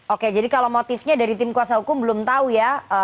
oke jadi kalau motifnya dari tim kuasa hukum belum tahu ya